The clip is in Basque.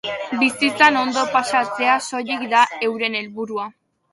Bizitzan ondo pasatzea soilik da euren helburua.